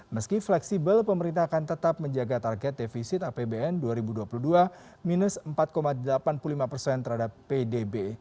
meski fleksibel pemerintah akan tetap menjaga target defisit apbn dua ribu dua puluh dua minus empat delapan puluh lima persen terhadap pdb